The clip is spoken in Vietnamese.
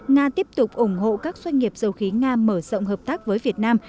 nga tiếp tục ủng hộ các doanh nghiệp dầu khí nga mở rộng hợp tác với việt nam